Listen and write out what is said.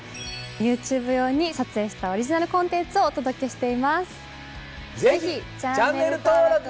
ＹｏｕＴｕｂｅ用に撮影したオリジナルコンテンツをお届けしています。